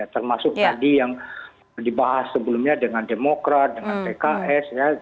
termasuk tadi yang dibahas sebelumnya dengan demokrat dengan pks ya